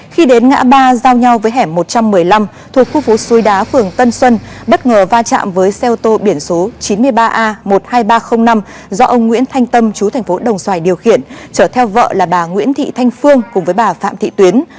khi đến ngã ba giao nhau với hẻm một trăm một mươi năm thuộc khu phố suối đá phường tân xuân bất ngờ va chạm với xe ô tô biển số chín mươi ba a một mươi hai nghìn ba trăm linh năm do ông nguyễn thanh tâm chú thành phố đồng xoài điều khiển trở theo vợ là bà nguyễn thị thanh phương cùng với bà phạm thị tuyến